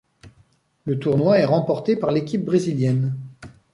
Le tournoi est remporté par l'équipe brésilienne.